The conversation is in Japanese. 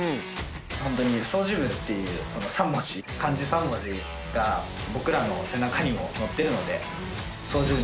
ホントに「掃除部」っていう３文字漢字３文字が僕らの背中にも乗ってるので。